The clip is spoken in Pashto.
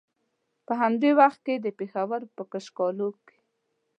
په همدې وخت کې د پېښور په کاکشالو کې.